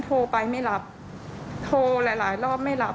โทรไปไม่รับโทรหลายหลายรอบไม่รับ